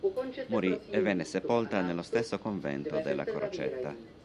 Morì e venne sepolta nello stesso convento della Crocetta.